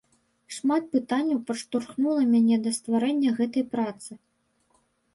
Шмат пытанняў падштурхнула мяне да стварэння гэтай працы.